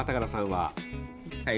はい。